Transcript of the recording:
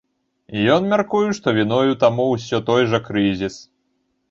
Ён мяркуе, што віною таму ўсё той жа крызіс.